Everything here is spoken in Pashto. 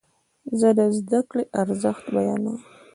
زه د زده کړې ارزښت بیانوم.